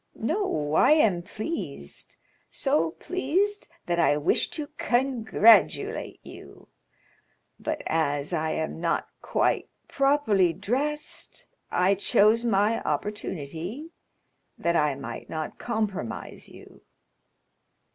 "No, I am pleased—so pleased that I wished to congratulate you; but as I am not quite properly dressed, I chose my opportunity, that I might not compromise you."